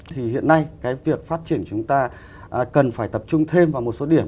thì hiện nay cái việc phát triển của chúng ta cần phải tập trung thêm vào một số điểm